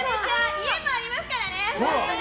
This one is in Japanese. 家もありますからね！